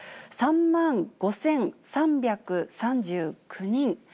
３万５３３９人。